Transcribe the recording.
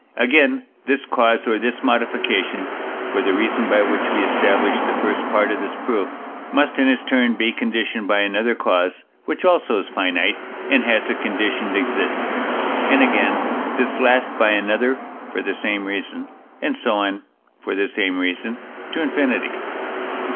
Again, this cause or this modification (for the reason by which we established the first part of this proof) must in its turn be conditioned by another cause, which also is finite, and has a conditioned existence, and, again, this last by another (for the same reason); and so on (for the same reason) to infinity.